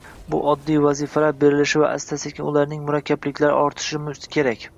unga oddiy vazifalar berilishi va asta-sekin ularning murakkabliklari orttirilishi kerak.